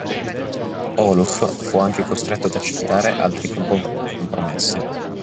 Olof fu anche costretto ad accettare altri compromessi.